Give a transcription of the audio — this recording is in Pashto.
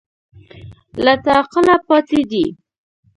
له تعقله پاتې دي